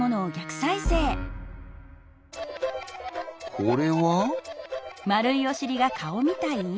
これは？